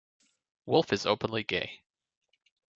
Wolfe is openly gay.